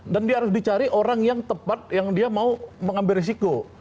dan dia harus dicari orang yang tepat yang dia mau mengambil risiko